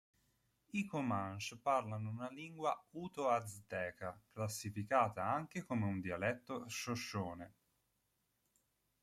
I Comanche parlano una lingua Uto-Azteca, classificata anche come un dialetto Shoshone.